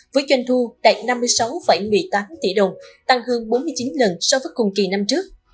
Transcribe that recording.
với doanh thu đạt năm mươi sáu một mươi tám tỷ đồng tăng hơn bốn mươi chín lần so với cùng kỳ năm trước